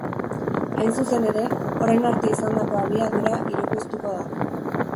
Hain zuzen ere, orain arte izandako abiadura hirukoiztuko da.